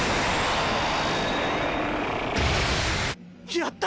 やった！